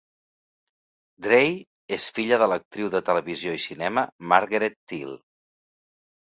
Drey és filla de l'actriu de televisió i cinema Margaret Teele.